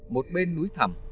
một bên núi thẳm